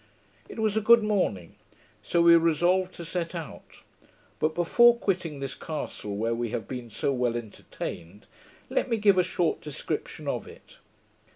It was a good morning; so we resolved to set out. But, before quitting this castle, where we have been so well entertained, let me give a short description of it.